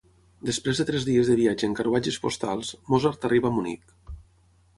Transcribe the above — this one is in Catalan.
Després de tres dies de viatge en carruatges postals, Mozart arriba a Munic.